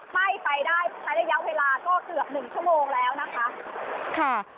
ไฟได้ใช้ระยะเวลาเกือบ๑ชั่วโมงแล้วนะคะ